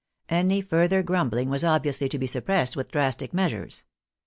Any further grumbling was obviously to be suppressed with drastic measures.